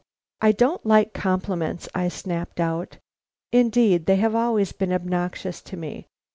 "I don't like compliments," I snapped out. Indeed, they have always been obnoxious to me.